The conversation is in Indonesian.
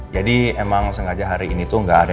jadi emang sengaja hari ini tuh nggak ada